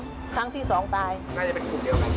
มีชีวิตที่สุดในประโยชน์